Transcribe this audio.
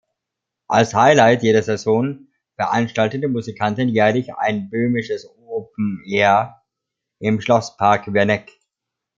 Als Highlight jeder Saison veranstalten die Musikanten jährlich ein Böhmisches Open-Air im Schlosspark Werneck.